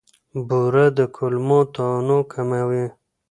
بوره د کولمو تنوع کموي.